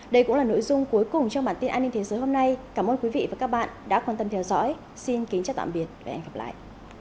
đây cũng là nội dung cuối cùng trong bản tin an ninh thế giới hôm nay cảm ơn quý vị và các bạn đã quan tâm theo dõi xin kính chào tạm biệt và hẹn gặp lại